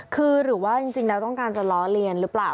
คือหรือว่าจริงแล้วต้องการจะล้อเลียนหรือเปล่า